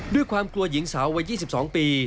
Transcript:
ด้วยความกลัวหญิงสาววัย๒๒ปี